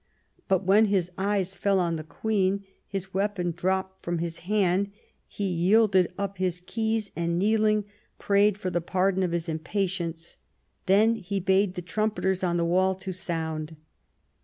But when his eyes fell on the Queen his weapon dropped from his hand ; he yielded up his keys and THE EXCOMMUNICATION OF ELIZABETH, 157 kneeling, prayed for pardon of his impatience ; then he bade the trumpeters on the wall to sound.